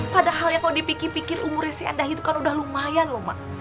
padahal ya kalau dipikir pikir umurnya si endah itu kan udah lumayan loh mak